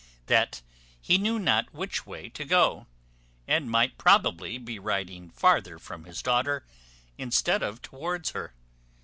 that he knew not which way to go, and might probably be riding farther from his daughter instead of towards her.